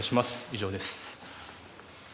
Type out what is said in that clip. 以上です。